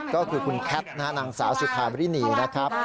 ก็คือคุณแคทนะฮะนางสาวสุธาบรินีนะครับ